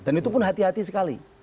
dan itu pun hati hati sekali